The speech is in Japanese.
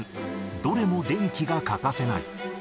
どれも電気が欠かせない。